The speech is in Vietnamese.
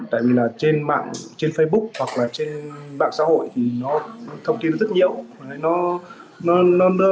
tại vì là trên mạng trên facebook hoặc là trên đoạn xã hội thì nó thông tin rất nhiều